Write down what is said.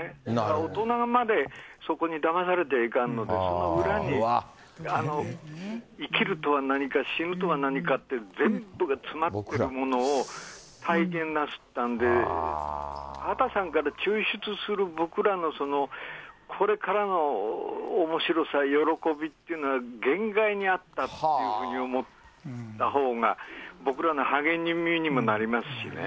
大人までそこにだまされちゃいかんので、その裏に、生きるとは何か、死ぬとは何かって、全部が詰まっているものを、体現なさったんで、畑さんから抽出する僕らのこれからのおもしろさ、喜びっていうのは、限外にあったっていうふうに思ったほうが、僕らの励みにもなりますしね。